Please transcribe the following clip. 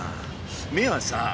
目はさあ